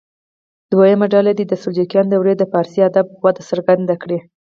دویمه ډله دې د سلجوقیانو دورې د فارسي ادب وده څرګنده کړي.